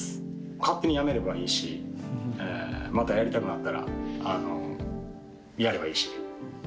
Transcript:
勝手にやめればいいし、またやりたくなったらやればいいし。